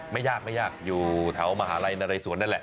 ไม่ยากไม่ยากอยู่แถวมหาลัยนเรสวนนั่นแหละ